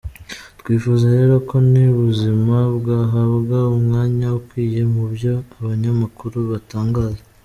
Twifuza rero ko n’ubuzima bwahabwa umwanya ukwiye mu byo abanyamakuru batangaza.